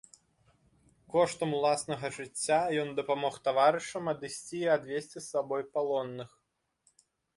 Коштам уласнага жыцця ён дапамог таварышам адысці і адвесці з сабой палонных.